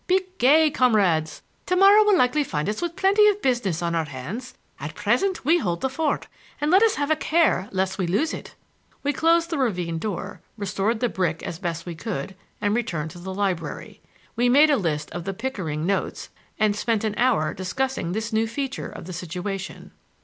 Be gay, comrades! To morrow will likely find us with plenty of business on our hands. At present we hold the fort, and let us have a care lest we lose it." We closed the ravine door, restored the brick as best we could, and returned to the library. We made a list of the Pickering notes and spent an hour discussing this new feature of the situation.